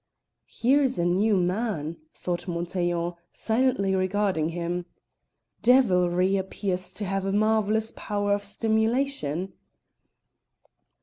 "Here's a new man!" thought Montaiglon, silently regarding him. "Devilry appears to have a marvellous power of stimulation."